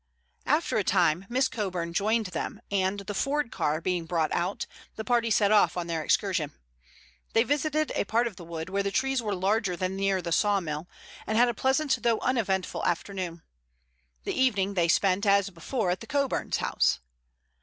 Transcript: After a time Miss Coburn joined them, and, the Ford car being brought out, the party set off on their excursion. They visited a part of the wood where the trees were larger than near the sawmill, and had a pleasant though uneventful afternoon. The evening they spent as before at the Coburns' house.